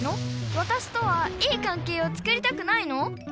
わたしとはいい関係をつくりたくないの？